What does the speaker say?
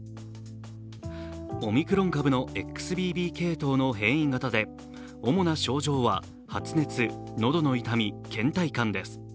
オミクロン株のＸＢＢ系統の変異型で主な症状は発熱、喉の痛み、けん怠感です。